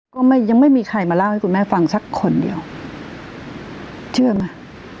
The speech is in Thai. ก็ยังไม่มีใครมาเล่าให้คุณแม่ฟังสักคนเดียวเชื่อไหม